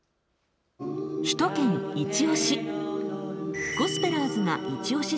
「首都圏いちオシ！」。